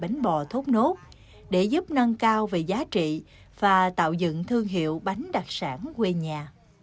bánh bò thốt nốt để giúp nâng cao về giá trị và tạo dựng thương hiệu bánh đặc sản quê nhà